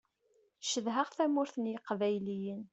Cedhaɣ tamurt n yiqbayliyen.